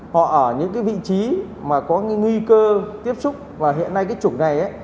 họ ở những cái vị trí mà có cái nguy cơ tiếp xúc và hiện nay cái chủng này